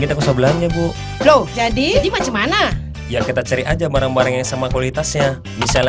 langsung belanja bu loh jadi gimana ya kita cari aja bareng bareng yang sama kualitasnya misalnya